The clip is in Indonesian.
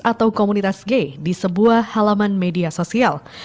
atau komunitas gay di sebuah halaman media sosial